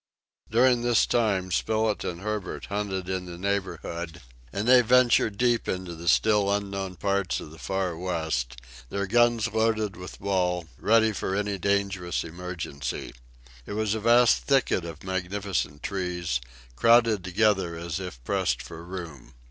During this time Spilett and Herbert hunted in the neighborhood, and they ventured deep into the still unknown parts of the Far West, their guns loaded with ball, ready for any dangerous emergency. It was a vast thicket of magnificent trees, crowded together as if pressed for room.